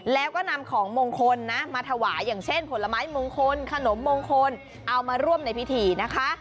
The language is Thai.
แล้วก็นำของมงคลนะมาถวายอย่างเช่นผลไม้มงคลขนมมงคลเอามาร่วมในพิธีนะคะ